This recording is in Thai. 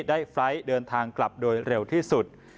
ไฟล์ทเดินทางกลับโดยเร็วที่สุด